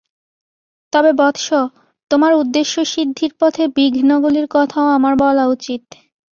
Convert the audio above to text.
তবে বৎস, তোমার উদ্দেশ্যসিদ্ধির পথে বিঘ্নগুলির কথাও আমার বলা উচিত।